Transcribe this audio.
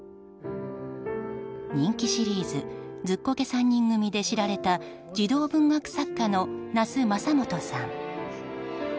人気シリーズ「ズッコケ三人組」で知られた児童文学作家の那須正幹さん。